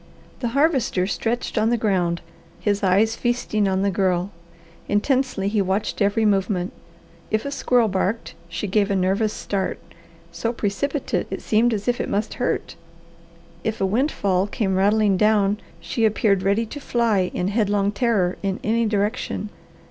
The Harvester stretched on the ground, his eyes feasting on the Girl. Intensely he watched every movement. If a squirrel barked she gave a nervous start, so precipitate it seemed as if it must hurt. If a windfall came rattling down she appeared ready to fly in headlong terror in any direction.